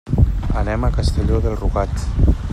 Anem a Castelló de Rugat.